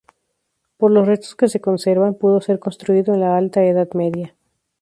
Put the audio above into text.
Por los restos que se conservan, pudo ser construido en la alta Edad Media.